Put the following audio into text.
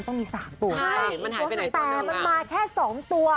๒หนึ่ง